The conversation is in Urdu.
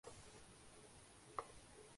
چھ انڈے الگ کئے ۔